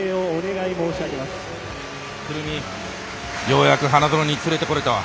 久留美、ようやく花園に連れてこれたわ。